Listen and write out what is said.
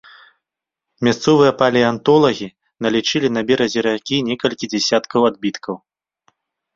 Мясцовыя палеантолагі налічылі на беразе ракі некалькі дзесяткаў адбіткаў.